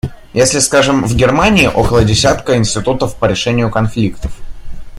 Если, скажем, в Германии около десятка институтов по решению конфликтов.